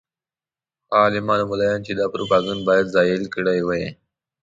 هغه عالمان او ملایان چې دا پروپاګند باید زایل کړی وای.